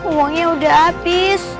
uangnya udah abis